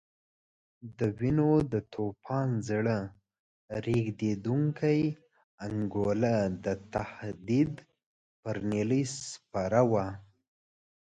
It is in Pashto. د وینو د توپان زړه رېږدونکې انګولا د تهدید پر نیلۍ سپره وه.